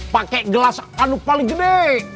pakai gelas anu paling gede